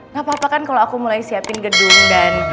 gak apa apa kan kalau aku mulai siapin gedung dan